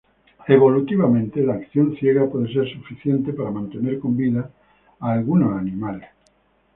Evolutivamente, la acción ciega puede ser suficiente para mantener con vida a algunos animales.